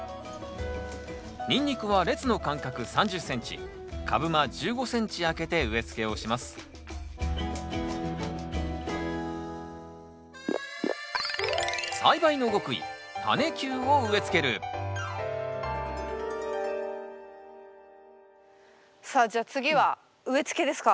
ニンニクは列の間隔３０ｃｍ株間１５ｃｍ空けて植え付けをしますさあじゃあ次は植え付けですか？